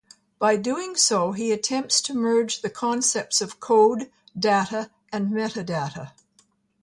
By doing so, he attempts to merge the concepts of code, data, and metadata.